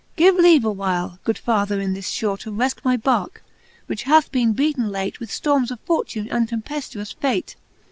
Give leave awhile, good father, in this fhore, To refte my barcke, which hath bene beaten late With ftormes of fortune and tempeftuous fate.